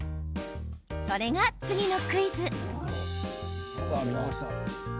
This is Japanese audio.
それが、次のクイズ。